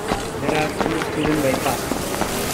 There are two schools in Weipa.